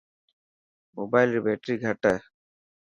موبال ري بيٽري گھٽ هي.